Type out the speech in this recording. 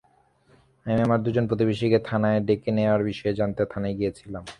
আমি আমার দুজন প্রতিবেশীকে থানায় ডেকে নেওয়ার বিষয়ে জানতে থানায় গিয়েছিলাম।